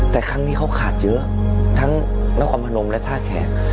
แต่ครั้งนี้เขาขาดเยอะทั้งนครพนมและท่าแขก